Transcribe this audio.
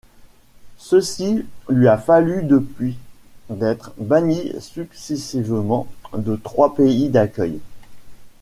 Ceci lui a valu depuis d'être banni successivement de trois pays d'accueil.